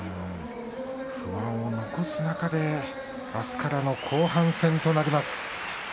不安を残す中であすからの後半戦となります。